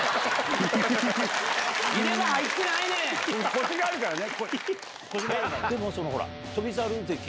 コシがあるからね。